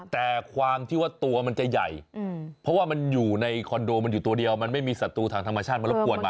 แต่ความที่ว่าตัวมันจะใหญ่เพราะว่ามันอยู่ในคอนโดมันอยู่ตัวเดียวมันไม่มีศัตรูทางธรรมชาติมารบกวนมา